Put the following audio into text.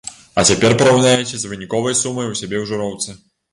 А цяпер параўнайце з выніковай сумай у сябе ў жыроўцы.